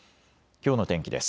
きょうの天気です。